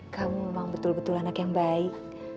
kamu memang betul betul anak yang baik